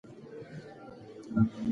چا ته د هدایت ورکولو دنده وسپارل شوه؟